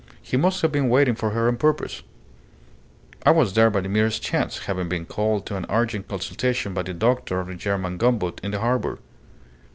He must have been waiting for her on purpose. I was there by the merest chance, having been called to an urgent consultation by the doctor of the German gunboat in the harbour.